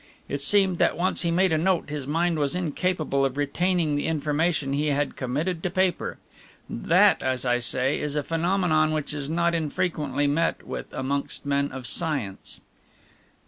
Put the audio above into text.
It seemed that once he made a note his mind was incapable of retaining the information he had committed to paper. That, as I say, is a phenomenon which is not infrequently met with amongst men of science."